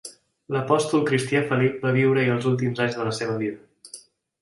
L'apòstol cristià Felip va viure-hi els últims anys de la seva vida.